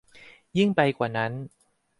ยิ่งไปกว่านั้น